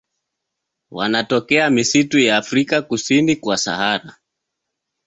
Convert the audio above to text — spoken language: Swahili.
Wanatokea misitu ya Afrika kusini kwa Sahara.